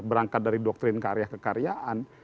berangkat dari doktrin karya kekaryaan